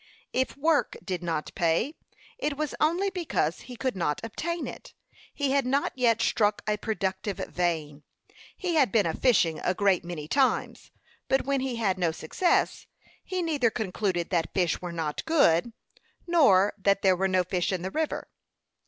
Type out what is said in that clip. If work did not pay, it was only because he could not obtain it. He had not yet struck a productive vein. He had been a fishing a great many times; but when he had no success, he neither concluded that fish were not good, nor that there were no fish in the river.